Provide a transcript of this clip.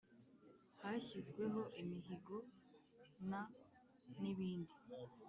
hashyizweho, , imihigo n’ n’ibindi